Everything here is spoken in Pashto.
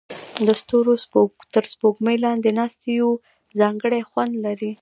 د ستورو تر سپوږمۍ لاندې ناستې یو ځانګړی خوند لري.